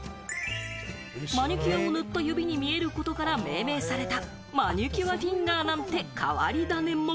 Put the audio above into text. マニキュアを塗った指に見えることから命名された、マニキュアフィンガーなんて変わり種も。